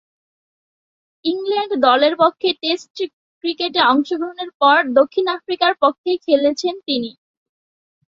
England দলের পক্ষে test ক্রিকেটে অংশগ্রহণের পর দক্ষিণ আফ্রিকার পক্ষে খেলেছেন তিনি।